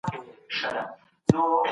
انسان خپلي دندي په اخلاص سره ترسره کوي.